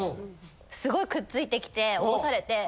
すごいくっついてきて起こされて。